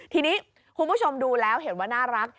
ทีนี้คุณผู้ชมดูแล้วเห็นว่าน่ารัก